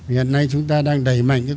hiện nay chúng ta đang đẩy mạnh